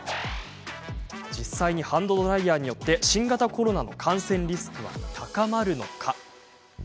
実際にハンドドライヤーによって新型コロナの感染リスクは高まるのか？